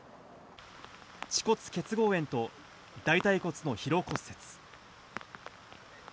恥骨結合炎と大たい骨の疲労骨折。